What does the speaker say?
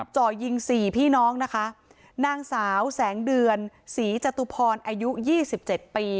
จ่อยิงสี่พี่น้องนะคะนางสาวแสงเดือนศรีจตุพรอายุยี่สิบเจ็ดปี